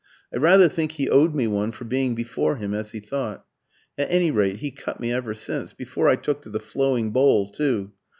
I rather think he owed me one for being before him, as he thought. At any rate, he cut me ever since before I took to the flowing bowl, too.